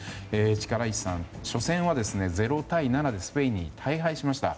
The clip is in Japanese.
力石さん、初戦は０対７でスペインに大敗しました。